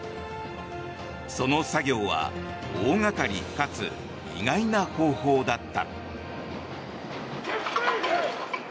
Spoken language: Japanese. その作業は大掛かりかつ意外な方法だった。